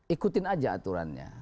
ikutin aja aturannya